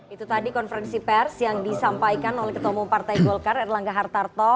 itu tadi konferensi pers yang disampaikan oleh ketua umum partai golkar erlangga hartarto